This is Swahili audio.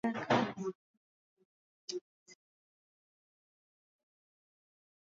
Wakati wa mkutano wa arobaini na mbili wa Baraza la Mawaziri uliofanyika Arusha, Tanzania wiki mbili zilizopita